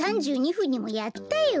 ふんにもやったよ。